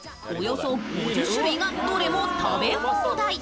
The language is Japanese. およそ５０種類がどれも食べ放題。